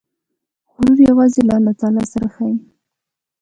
غرور یوازې د الله تعالی سره ښایي.